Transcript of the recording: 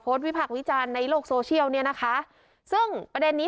วิพักษ์วิจารณ์ในโลกโซเชียลเนี่ยนะคะซึ่งประเด็นนี้